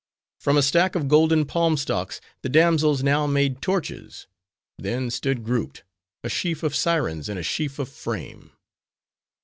From a stack of golden palm stalks, the damsels now made torches; then stood grouped; a sheaf of sirens in a sheaf of frame.